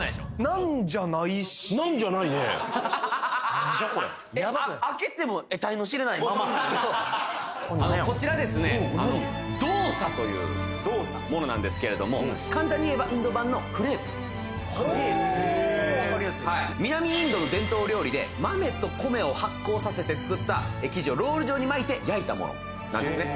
なんじゃこれそうこちらですねドーサというものなんですけれども簡単にいえばインド版のクレープほうーわかりやすい南インドの伝統料理で豆と米を発酵させて作った生地をロール状に巻いて焼いたものなんですね